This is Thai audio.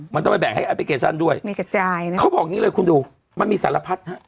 มันต้องไปแบ่งให้แอปพลิเคชันด้วยเขาบอกนี้เลยคุณดูมันมีสารพัดนะ